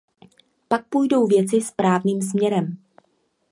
Pak půjdou věci správným směrem.